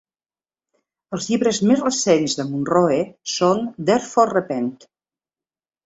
Els llibres més recents de Munroe són "Therefore Repent!".